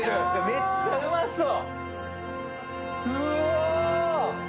めっちゃうまそう！